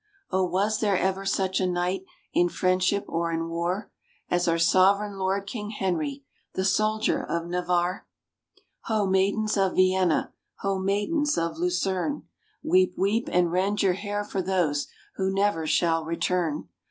Oh! was there ever such a knight, in friendship or in war, As our Sovereign Lord, King Henry, the soldier of Navarre? .... Ho! maidens of Vienna; ho! matrons of Lucerne; Weep, weep, and rend your hair for those who never shall return.